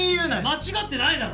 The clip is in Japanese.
間違ってないだろ！